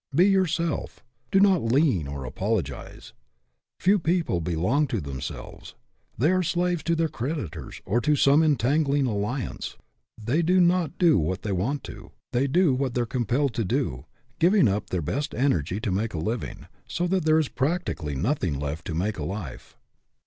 Be yourself. Do not lean or apologize. Few people belong to themselves. They are slaves to their creditors or to some entangling alliance. They do not do what they want to. They do what they are compelled to do, giving up their best energy to make a living, so that there is practically nothing left to make a life.